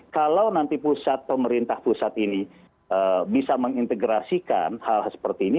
kalau nanti pusat pemerintah pusat ini bisa mengintegrasikan hal hal seperti ini